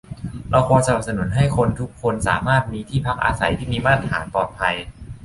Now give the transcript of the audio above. เราควรสนับสนุนให้คนทุกคนสามารถมีที่พักอาศัยที่มีมาตรฐาน ปลอดภัย